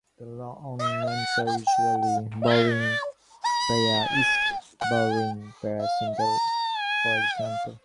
The long names are usually "Bowring Praya East", "Bowring Praya Central" for example.